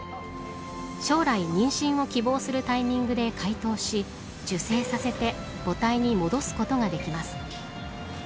将来妊娠を希望するタイミングで解凍し受精させて母体に戻すことができます。